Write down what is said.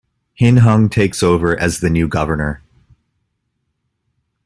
Hin-hung takes over as the new governor.